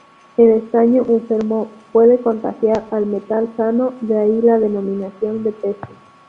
El estaño "enfermo" puede "contagiar" al metal sano, de ahí la denominación de peste.